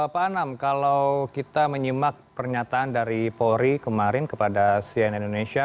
pak anam kalau kita menyimak pernyataan dari polri kemarin kepada cnn indonesia